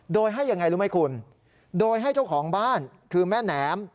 โดยให้ยังไงรู้ไหมคุณโดยให้เจ้าของบ้านคือแม่แหนม